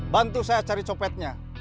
bantu saya cari copetnya